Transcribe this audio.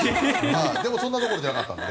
でもそれどころじゃなかったので。